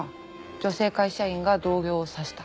女性会社員が同僚を刺した。